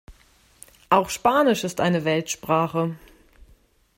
Auch Spanisch ist eine Weltsprache.